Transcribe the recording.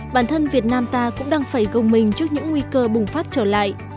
bản thân việt nam ta cũng đang phải gồng mình trước những nguy cơ bùng phát trở lại